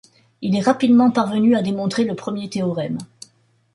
Il est rapidement parvenu à démontrer le premier théorème.